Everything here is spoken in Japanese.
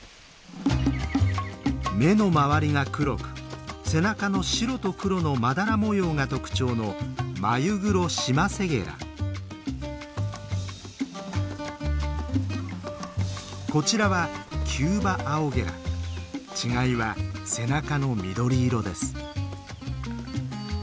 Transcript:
目のまわりが黒く背中の白と黒のまだら模様が特徴のこちらはキューバアオゲラ違いは背中の緑色です。